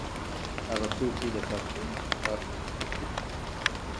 هغه توکي د کارکوونکو ځواک او انرژي ده